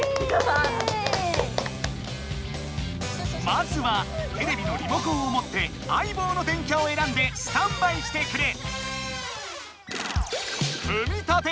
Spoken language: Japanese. まずはテレビのリモコンを持ってあいぼうの電キャをえらんでスタンバイしてくれ！